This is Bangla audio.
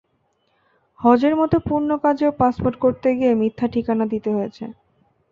হজের মতো পুণ্য কাজেও পাসপোর্ট করতে গিয়ে মিথ্যা ঠিকানা দিতে হয়েছে।